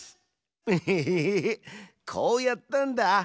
エヘヘヘへこうやったんだ。